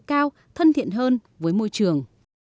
cao thân thiện hơn với môi trường